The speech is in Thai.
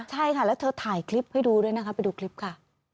ใช่ค่ะแล้วเธอถ่ายคลิปให้ดูด้วยนะคะไปดูคลิปค่ะ